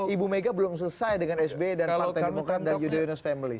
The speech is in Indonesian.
ibu mega belum selesai dengan sbe dan partai kemungkinan dari yudhoyono family